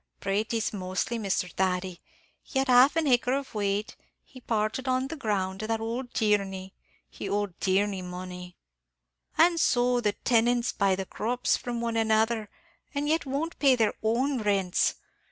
"Pratees mostly, Misthur Thady. He had half an acre of whate; he parted that on the ground to ould Tierney; he owed Tierney money." "An' so the tenants buy the crops from one another, and yet won't pay their own rents.